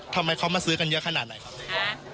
ทำไมเขามาซื้อกันเยอะขนาดไหนครับ